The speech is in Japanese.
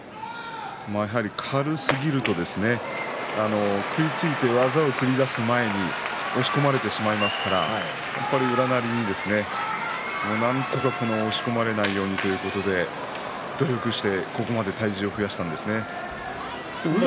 軽すぎるとね食いついて技を繰り出す前に押し込まれてしまいますからやっぱり宇良なりになんとか押し込まれないようにと力を、そしてここまで体重を増やしたんですね。